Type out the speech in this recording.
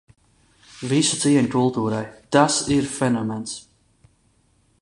Visu cieņu kultūrai. Tas ir fenomens.